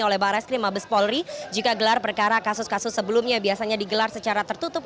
oleh barai skrim mabes polri jika gelar perkara kasus kasus sebelumnya biasanya digelar secara tertutup